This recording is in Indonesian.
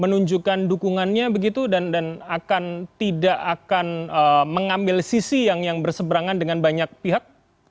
menunjukkan dukungannya begitu dan tidak akan mengambil sisi yang berseberangan dengan banyak pihak